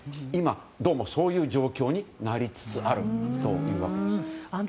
今、どうもそういう状況になりつつあるというわけです。